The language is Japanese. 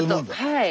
はい。